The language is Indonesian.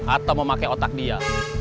atau memakai otak dia